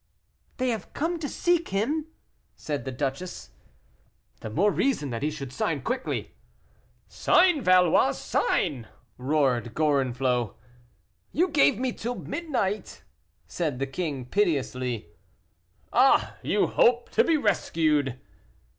"They have come to seek him," said the duchess. "The more reason that he should sign quickly." "Sign, Valois, sign!" roared Gorenflot. "You gave me till midnight," said the king, piteously. "Ah! you hoped to be rescued."